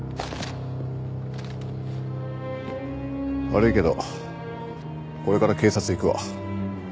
悪いけどこれから警察行くわ。